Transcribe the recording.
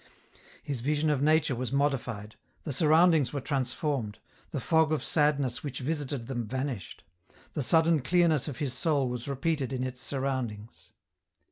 His vision of nature was modified ; the surroundings were transformed ; the fog of sadness which visited them vanished ; the sudden clearness of his soul was repeated in its sur roundings.